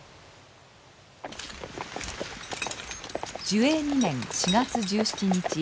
寿永２年４月１７日